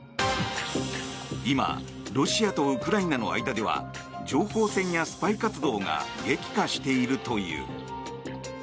今、ロシアとウクライナの間では情報戦やスパイ活動が激化しているという。